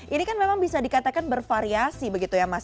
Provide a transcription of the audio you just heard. ini kan memang bisa dikatakan bervariasi begitu ya mas